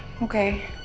gue mau ke rumah